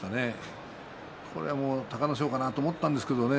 隆の勝かなと思ったんですけどね